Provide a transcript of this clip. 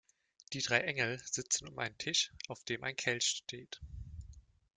Die drei Engel sitzen um einen Tisch, auf dem ein Kelch steht.